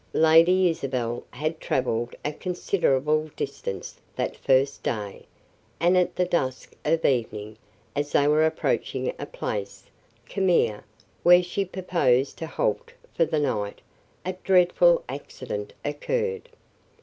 Lady Isabel had travelled a considerable distance that first day, and at the dusk of evening, as they were approaching a place, Cammere, where she purposed to halt for the night, a dreadful accident occurred.